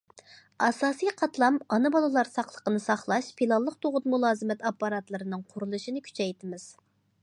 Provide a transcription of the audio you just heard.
ئاساسىي قاتلام ئانا- بالىلار ساقلىقىنى ساقلاش، پىلانلىق تۇغۇت مۇلازىمەت ئاپپاراتلىرىنىڭ قۇرۇلۇشىنى كۈچەيتىمىز.